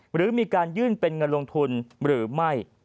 หรือมีการยื่นเป็นเงินลงทุนหรือไม่